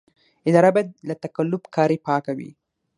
اداره باید له تقلب کارۍ پاکه وي.